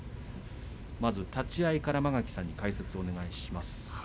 まず立ち合いから間垣さんに解説をお願いします。